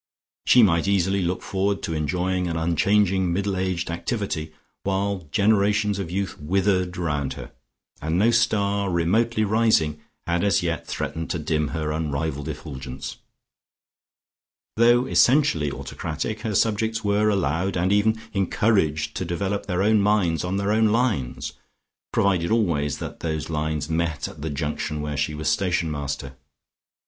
She might easily look forward to enjoying an unchanging middle aged activity, while generations of youth withered round her, and no star, remotely rising, had as yet threatened to dim her unrivalled effulgence. Though essentially autocratic, her subjects were allowed and even encouraged to develop their own minds on their own lines, provided always that those lines met at the junction where she was station master.